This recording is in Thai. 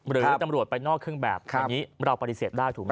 หรือตำรวจไปนอกเครื่องแบบอันนี้เราปฏิเสธได้ถูกไหม